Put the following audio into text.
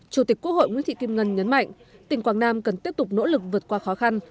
chủ tịch quốc hội nguyễn thị kim ngân nhấn mạnh tỉnh quảng nam cần tiếp tục nỗ lực vượt qua khó khăn